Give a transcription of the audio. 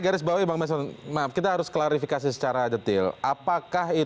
jadi bukan keharusan atau kewajiban begitu intinya ya